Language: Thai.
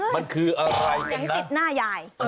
มันคืออะไรกันนะยายติดหน้ายาย